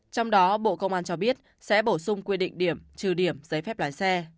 trong đó bộ công an cho biết sẽ bổ sung quy định điểm trừ điểm giấy phép lái xe